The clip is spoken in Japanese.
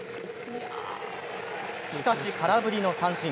しかし空振りの三振。